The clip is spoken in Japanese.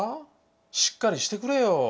しっかりしてくれよ。